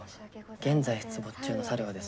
現在出没中の猿はですね